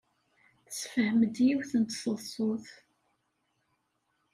Tessefhem-d yiwet n tseḍsut.